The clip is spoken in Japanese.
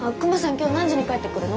今日何時に帰ってくるの？